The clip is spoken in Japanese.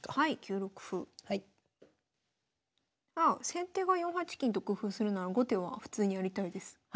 先手が４八金と工夫するなら後手は普通にやりたいです。